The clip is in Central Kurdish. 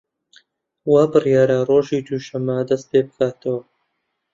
وا بریارە ڕۆژی دووشەممە دەست پێ بکاتەوە